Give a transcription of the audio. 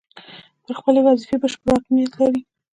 پر خپلې وظیفې بشپړ حاکمیت لري.